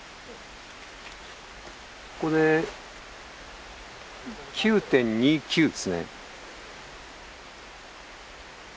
ここで９．２９ですね。